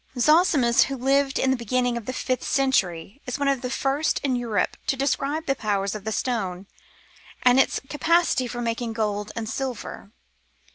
Zosimus, who lived in the beginning of the fifth century, is one of the first in Europe to describe the powers of this stone, and its capacity for making gold and silver.